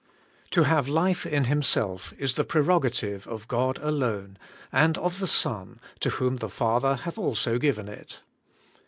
TO have life in Himself is the prerogative of God alone, and of the Son, to whom the Father hath also given it.